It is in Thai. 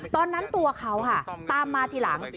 ตอนนั้นตัวเขาค่ะตามมาทีหลัง